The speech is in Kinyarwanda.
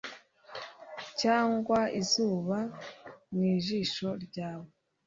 cyangwa izuba mu jisho ryawe?